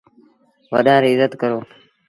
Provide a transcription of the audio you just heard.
وڏآن ريٚ ازت ڪرو۔